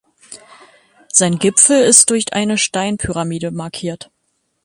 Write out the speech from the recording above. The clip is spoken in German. Sein Gipfel ist durch eine Steinpyramide markiert.